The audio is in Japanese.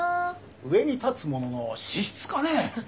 上に立つ者の資質かねえ。